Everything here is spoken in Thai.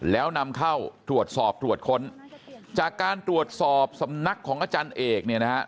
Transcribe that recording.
แล้วนำเข้าตรวจสอบตรวจค้นจากการตรวจสอบสำนักของอาจารย์เอกเนี่ยนะฮะ